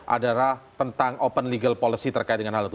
adalah tentang open legal policy terkait dengan hal itu